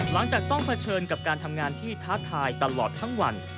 หลังจากต้องเผชิญกับการทำงานที่ท้าทายตลอดทั้งวัน